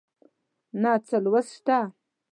نه څه لوست شته